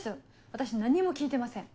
私何も聞いてません。